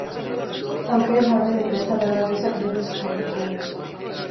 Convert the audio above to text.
Aunque es un ave de presa rara vez agrede a sus anfitriones.